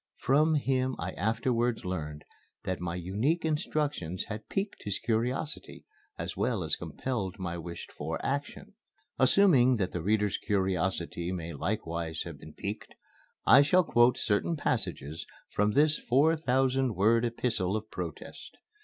From him I afterwards learned that my unique instructions had piqued his curiosity, as well as compelled my wished for action. Assuming that the reader's curiosity may likewise have been piqued, I shall quote certain passages from this four thousand word epistle of protest.